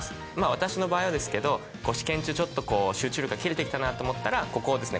私の場合はですけど試験中ちょっと集中力が切れてきたなと思ったらここをですね